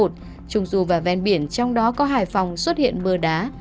trùng rù và ven biển trong đó có hải phòng xuất hiện mưa đá